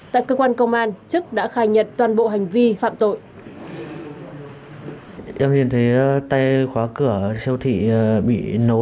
tại cơ quan công an trức đã khai nhận toàn bộ hành vi phạm tội